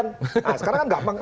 nah sekarang kan gampang